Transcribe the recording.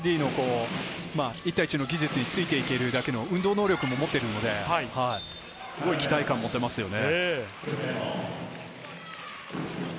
十分、ジャムシディの１対１の技術についていていけるだけの運動能力も持っているので、すごい期待感を持てますよね。